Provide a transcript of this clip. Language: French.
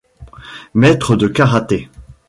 Maître de Karaté.